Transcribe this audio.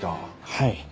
はい。